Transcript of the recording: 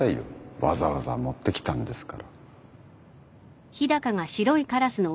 わざわざ持ってきたんですから。